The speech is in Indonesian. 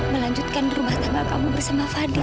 melanjutkan rumah tanggal kamu bersama fadil